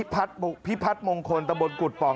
พิพัฒนมงคลตะบนกุฎป่อง